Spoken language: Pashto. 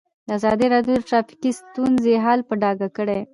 ازادي راډیو د ټرافیکي ستونزې حالت په ډاګه کړی.